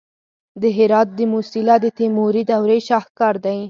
د هرات د موسیلا د تیموري دورې شاهکار دی